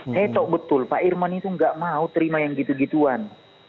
saya tahu betul pak irman itu nggak mau terima yang gitu gituan